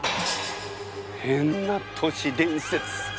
変な都市伝説。